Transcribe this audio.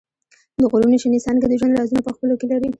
د غرونو شنېڅانګې د ژوند رازونه په خپلو کې لري.